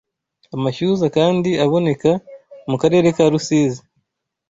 amashyuza kandi aboneka mu karere ka Rusizi